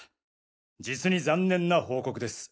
実に残念な報告です。